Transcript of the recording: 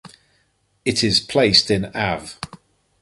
It is placed in Av.